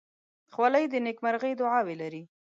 خولۍ د نیکمرغۍ دعاوې لري.